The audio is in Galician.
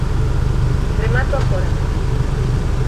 Remato agora.